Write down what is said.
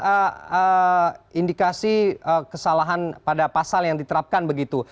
ada indikasi kesalahan pada pasal yang diterapkan begitu